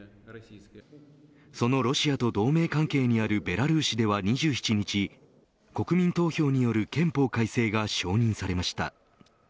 そのロシアと同盟関係にあるベラルーシでは２７日、国民投票による憲法改正が承認されました。